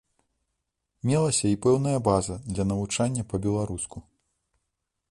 Мелася і пэўная база для навучання па-беларуску.